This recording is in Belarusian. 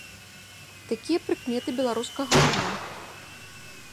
Такія прыкметы беларускага каня.